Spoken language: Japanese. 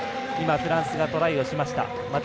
フランスがトライをしました。